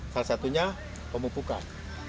salah satunya pemupukan